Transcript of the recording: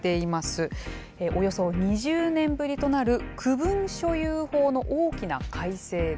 およそ２０年ぶりとなる区分所有法の大きな改正です。